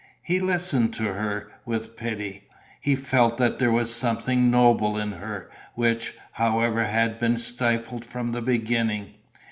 He listened to her, with pity. He felt that there was something noble in her, which, however, had been stifled from the beginning.